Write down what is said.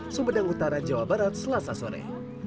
sumedang utara jawa barat selasa sore